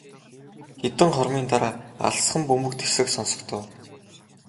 Хэдэн хормын дараа алсхан бөмбөг тэсрэх сонсогдов.